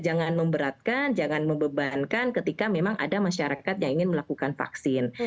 jangan memberatkan jangan membebankan ketika memang ada masyarakat yang ingin melakukan vaksin